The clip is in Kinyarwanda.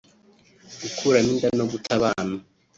Gukuramo inda no guta abana